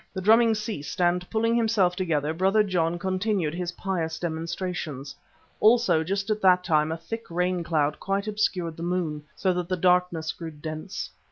The drumming ceased, and pulling himself together, Brother John continued his pious demonstrations. Also just at that time a thick rain cloud quite obscured the moon, so that the darkness grew dense.